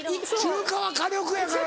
中華は火力やからな。